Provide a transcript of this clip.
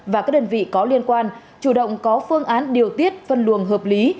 và các đơn vị có liên quan chủ động có phương án điều tiết phân luồng hợp lý